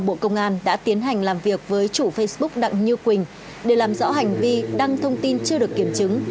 bộ công an đã tiến hành làm việc với chủ facebook đặng như quỳnh để làm rõ hành vi đăng thông tin chưa được kiểm chứng